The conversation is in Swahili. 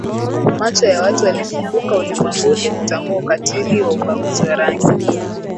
Macho ya watu walifunguka ulimwenguni kutambua ukatili wa ubaguzi wa rangi